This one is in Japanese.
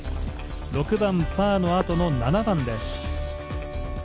６番パーのあとの７番です。